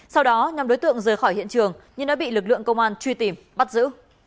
sau đó nhóm đối tượng rời khỏi hiện trường nhưng đã bị lực lượng công an truy tìm bắt giữ